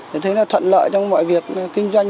thì thấy là thuận lợi trong mọi việc kinh doanh